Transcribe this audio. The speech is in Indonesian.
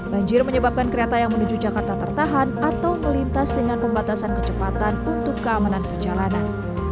banjir menyebabkan kereta yang menuju jakarta tertahan atau melintas dengan pembatasan kecepatan untuk keamanan perjalanan